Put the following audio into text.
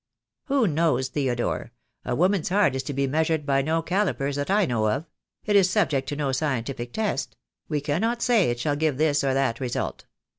"Who knows, Theodore? A woman's heart is to be measured by no callipers that I know of; it is subject to no scientific test; we cannot say it shall give this or that result.